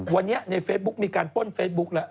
วันนี้ในเฟซบุ๊กมีการป้นเฟซบุ๊กแล้ว